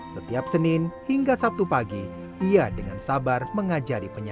setiap senin hingga sabtu pagi ia dengan sabar mengajari penyanyi